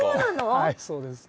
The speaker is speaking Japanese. はいそうです。